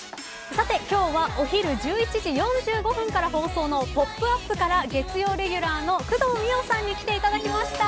さて今日はお昼１１時４５分から放送のポップＵＰ！から月曜レギュラーの工藤美桜さんに来ていただきました。